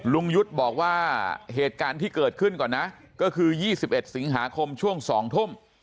ลุงยุทธ์บอกว่าเหตุการณ์ที่เกิดขึ้นก่อนนะก็คือ๒๑สิงหาคมช่วง๒ทุ่ม